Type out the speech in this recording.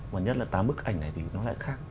mà nhất là tám bức ảnh này thì nó lại khác